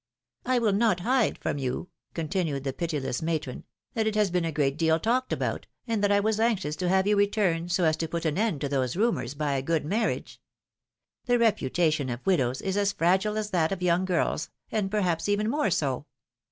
will not hide from you," continued the pitiless PHILOMi^KE's MARRIAGES. 291 matron, ^^that it has been a great deal talked about, and that I was anxious to have you return, so as to put an end to these rumors by a good marriage. The reputa tion of widows is as fragile as that of young girls, and perhaps even more so.